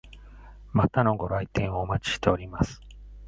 またのご来店をお待ちしております。